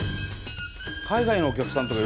海外のお客さんとか喜ぶよね。